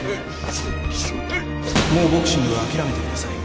もうボクシングは諦めてください。